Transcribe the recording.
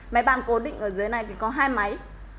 máy bàn cố định ở dưới này thì có hai máy